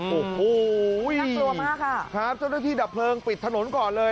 โอ้โฮครับเจ้าหน้าที่ดับเพลิงปิดถนนก่อนเลย